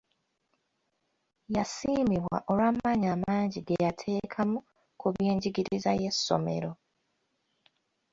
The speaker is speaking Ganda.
Yasiimibwa olw'amaanyi amangi ge yateekamu ku by'enjigiriza y'essomero.